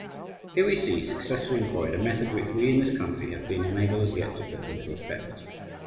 Here we see successfully employed a method which we in this country have been unable as yet to put into effect.